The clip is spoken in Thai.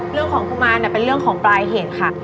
เรื่องของคุมมานเป็นเรื่องของปลายเหตุค่ะ